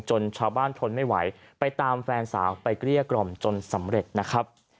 ชาวบ้านทนไม่ไหวไปตามแฟนสาวไปเกลี้ยกล่อมจนสำเร็จนะครับ